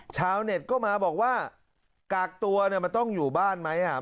ชาวเน็ตก็มาบอกว่ากักตัวมันต้องอยู่บ้านไหม